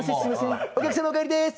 お客様お帰りでーす。